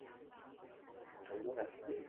学会为工程师的培训和录取制定标准。